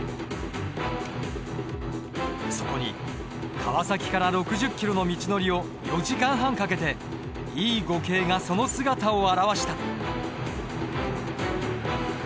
そこに川崎から６０ｋｍの道のりを４時間半かけてＥ５系がその姿を現した。